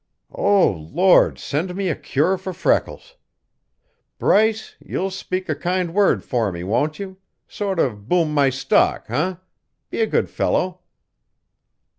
"O Lord, send me a cure for freckles. Bryce, you'll speak a kind word for me, won't you sort of boom my stock, eh? Be a good fellow."